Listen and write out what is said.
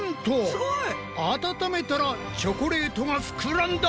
すごい！温めたらチョコレートがふくらんだ！